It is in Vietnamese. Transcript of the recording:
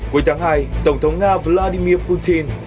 cuối tháng hai tổng thống nga vladimir putin